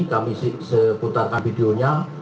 kami seputarkan videonya